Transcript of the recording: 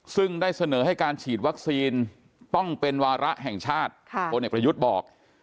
ซึ่งได้เสนอให้การฉีดวัคซีนต้องเป็นวาระแห่งชาติพลเอกประยุทธ์บอก